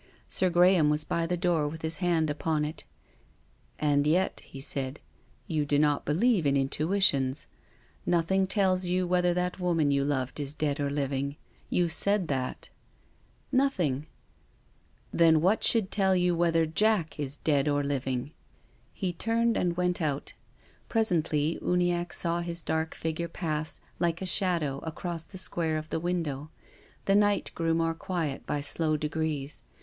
Sir Graham was by the door with his hand upon it. " And yet," he said, " you do not believe in in 62 TONGUES OF CONSCIENCE. tuitions. Nothing tells you whether that woman you loved is dead or living. You said that." " Nothing." " Then what should tell you whether Jack is dead or living? " He turned and went out. Presently Uniacke saw his dark figure pass, like a shadow, across the square of the window. The night grew more quiet by slow degrees.